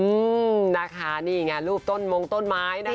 อืมนะคะนี่ไงรูปต้นมงต้นไม้นะคะ